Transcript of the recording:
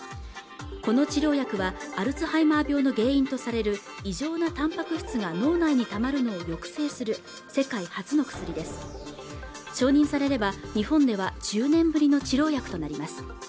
この治療薬はアルツハイマー病の原因とされる異常なたんぱく質が脳内にたまるのを抑制する世界初の薬です承認されれば日本では１０年ぶりの治療薬となります